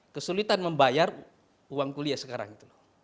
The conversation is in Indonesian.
kesulitan membayar uang kuliah sekarang itu loh